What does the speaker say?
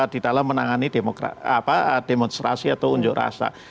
di dalam menangani demonstrasi atau unjuk rasa